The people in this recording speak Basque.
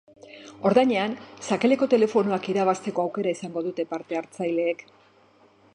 Ordainean, sakeleko telefonoak irabazteko aukera izango dute parte hartzaileek.